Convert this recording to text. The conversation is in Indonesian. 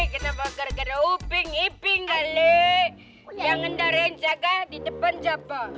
kenapa gara gara uping iping kali yang ngarahin jaga di depan siapa